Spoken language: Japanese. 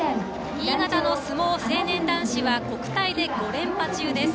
新潟の相撲成年男子は国体で５連覇中です。